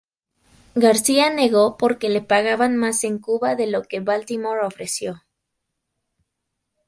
García negó porque le pagaban más en Cuba de lo que Baltimore ofreció.